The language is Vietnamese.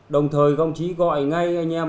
đồng thời đồng chí gọi ngay anh em